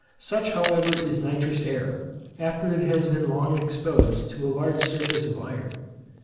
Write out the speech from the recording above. Such, however, is nitrous air, after it has been long exposed to a large surface of iron.